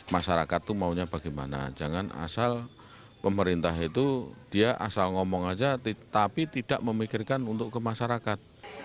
masyarakat itu maunya bagaimana jangan asal pemerintah itu dia asal ngomong aja tapi tidak memikirkan untuk ke masyarakat